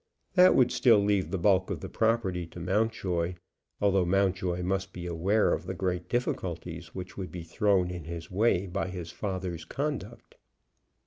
That would still leave the bulk of the property to Mountjoy, although Mountjoy must be aware of the great difficulties which would be thrown in his way by his father's conduct.